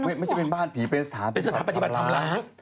ไม่ใช่เป็นบ้านผีเปสถานเป็นสถานปฏิบัติธรรมล้าง